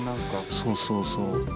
そうそうそう。